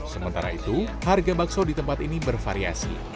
sementara itu harga bakso di tempat ini bervariasi